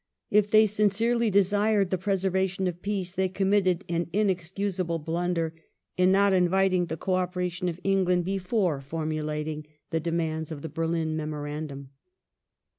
If they sincerely desired the pre servation of peace they committed an inexcusable blunder in not inviting the co operation of England before formulating the de mands of the Berlin Memorandum.